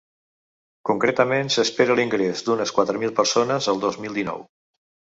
Concretament s’espera l’ingrés d’unes quatre mil persones el dos mil dinou.